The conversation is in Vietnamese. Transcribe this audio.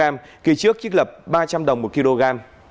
dầu hỏa ở mức ba trăm linh đồng một kg